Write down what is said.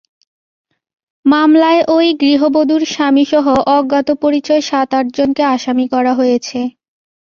মামলায় ওই গৃহবধূর স্বামীসহ অজ্ঞাত পরিচয় সাত আটজনকে আসামি করা হয়েছে।